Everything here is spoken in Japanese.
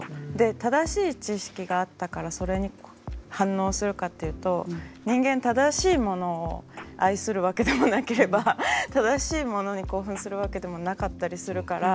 正しい知識があったからそれに反応するかっていうと人間正しいものを愛するわけでもなければ正しいものに興奮するわけでもなかったりするから。